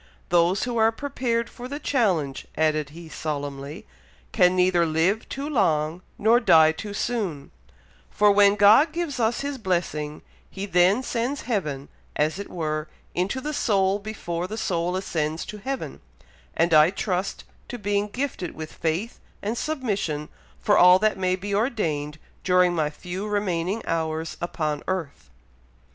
"Those who are prepared for the change," added he, solemnly, "can neither live too long, nor die too soon; for when God gives us His blessing, He then sends heaven, as it were, into the soul before the soul ascends to heaven; and I trust to being gifted with faith and submission for all that may be ordained during my few remaining hours upon earth."